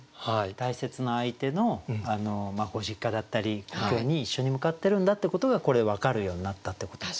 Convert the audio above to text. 大切な相手のご実家だったり故郷に一緒に向かってるんだってことがこれで分かるようになったってことですね。